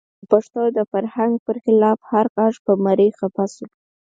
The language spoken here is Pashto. د پښتنو د فرهنګ پر خلاف هر غږ په مرۍ کې خفه شو.